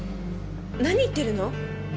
何言ってるの？